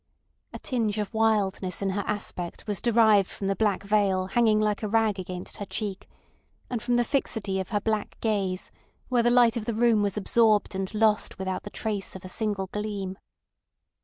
A tinge of wildness in her aspect was derived from the black veil hanging like a rag against her cheek, and from the fixity of her black gaze where the light of the room was absorbed and lost without the trace of a single gleam.